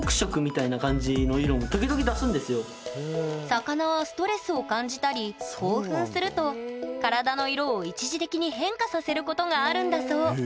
魚って魚はストレスを感じたり興奮すると体の色を一時的に変化させることがあるんだそう。